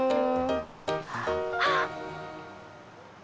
あっ！